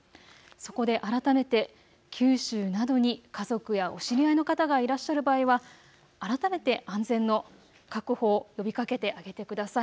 そこで改めて九州などに家族やお知り合いの方がいらっしゃる場合は改めて安全の確保を呼びかけてあげてください。